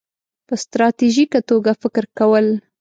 -په ستراتیژیکه توګه فکر کول